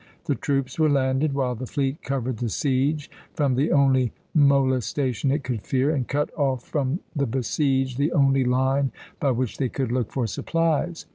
The troops were landed, while the fleet covered the siege from the only molestation it could fear, and cut off from the besieged the only line by which they could look for supplies.